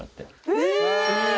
え！